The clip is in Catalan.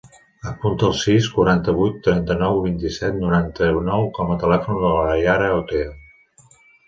Apunta el sis, quaranta-vuit, trenta-nou, vint-i-set, noranta-nou com a telèfon de la Yara Oteo.